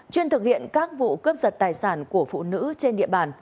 chuyên thực hiện các vụ cướp giật tài sản của phụ nữ trên địa bàn